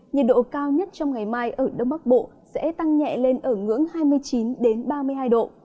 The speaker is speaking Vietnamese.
nhiệt độ cao nhất trong ngày mai ở đông bắc bộ sẽ tăng nhẹ lên ở ngưỡng hai mươi chín ba mươi hai độ